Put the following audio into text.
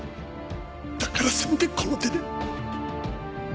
だからせめてこの手で！